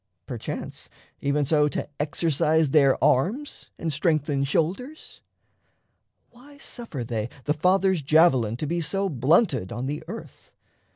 perchance, even so To exercise their arms and strengthen shoulders? Why suffer they the Father's javelin To be so blunted on the earth?